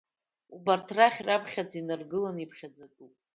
Убарҭ рахь раԥхьаӡа инаргыланы иԥхьаӡатәуп…